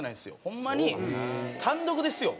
ホンマに単独ですよ？